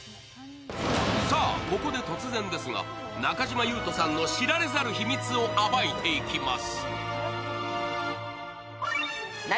さあここで突然ですが中島裕翔さんの知られざる秘密を暴いていきます。